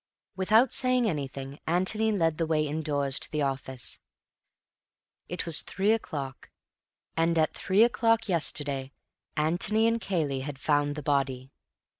Without saying anything, Antony led the way indoors to the office. It was three o'clock, and at three o'clock yesterday Antony and Cayley had found the body.